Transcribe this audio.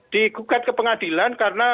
digugat ke pengadilan karena